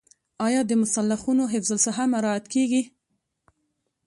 آیا د مسلخونو حفظ الصحه مراعات کیږي؟